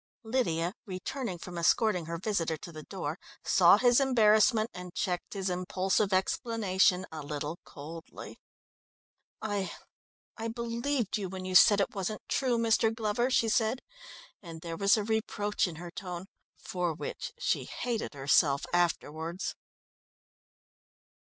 Lydia, returning from escorting her visitor to the door, saw his embarrassment and checked his impulsive explanation a little coldly. "I I believed you when you said it wasn't true, Mr. Glover," she said, and there was a reproach in her tone for which she hated herself afterwards.